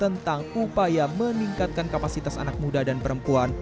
tentang upaya meningkatkan kapasitas anak muda dan perempuan